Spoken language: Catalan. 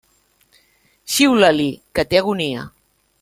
Xiula-li, que té agonia.